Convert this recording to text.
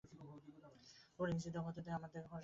তোমার ইংরেজি দক্ষতা থেকে আমার ফরাসি ভালো।